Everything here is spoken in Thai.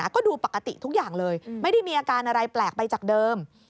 ก็ดูปกติทุกอย่างเลยไม่ได้มีอาการอะไรแปลกไปจากเดิม